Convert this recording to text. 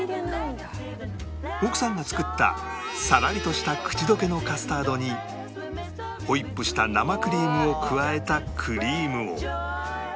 奥さんが作ったさらりとした口溶けのカスタードにホイップした生クリームを加えたクリームを